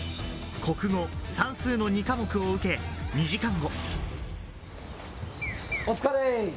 国語、算数の２科目を受け、２時間後。